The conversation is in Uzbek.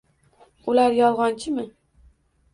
-Ular yolg’onchimi?